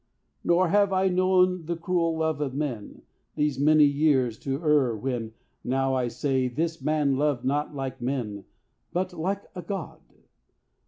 Nor have I known the cruel love of men These many years to err when now I say This man loved not like men but like a God.